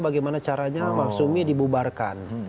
bagaimana caranya mas sumi dibubarkan